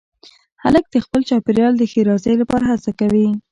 هلک د خپل چاپېریال د ښېرازۍ لپاره هڅه کوي.